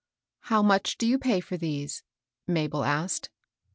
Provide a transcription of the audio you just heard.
How much do you pay for these ?" Mabel asked.